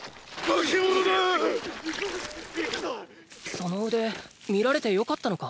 その腕見られてよかったのか？